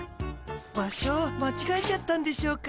場所間違えちゃったんでしょうか？